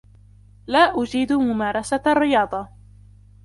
لا أجيد ممارسة الرياضة.